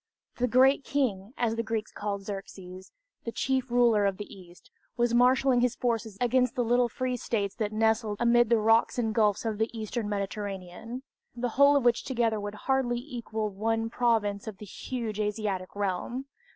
"The Great King," as the Greeks called Xerxes, the chief ruler of the East, was marshaling his forces against the little free states that nestled amid the rocks and gulfs of the Eastern Mediterranean the whole of which together would hardly equal one province of the huge Asiatic realm!